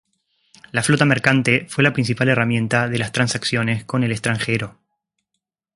La flota mercante fue la principal herramienta de las transacciones con el extranjero.